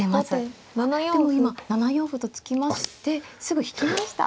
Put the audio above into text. でも今７四歩と突きましてすぐ引きました。